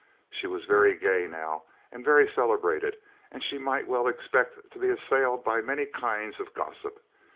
She was very gay, now, and very celebrated, and she might well expect to be assailed by many kinds of gossip.